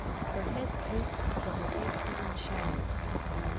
Her head drooped, till her face was in shadow.